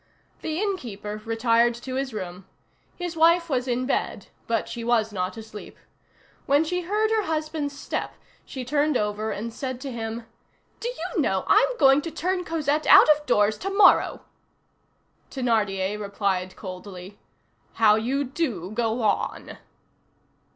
The inn keeper retired to his room. His wife was in bed, but she was not asleep. When she heard her husband's step she turned over and said to him:— "Do you know, I'm going to turn Cosette out of doors to morrow." Thénardier replied coldly:— "How you do go on!"